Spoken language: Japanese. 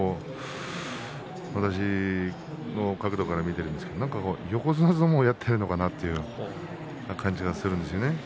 私の角度から見ていると横綱相撲をやっているのかなという感じがするんですよね。